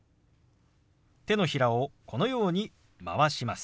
手のひらをこのように回します。